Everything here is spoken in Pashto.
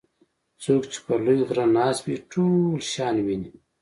څوک چې پر لوی غره ناست وي ټول شیان ویني.